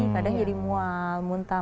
kadang jadi mual muntah